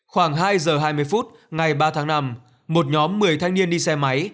khoảng hai giờ hai mươi phút ngày ba tháng năm một nhóm một mươi thanh niên đi xe máy